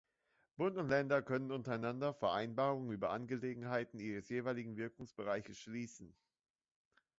Bund und Länder können untereinander Vereinbarungen über Angelegenheiten ihres jeweiligen Wirkungsbereiches schließen.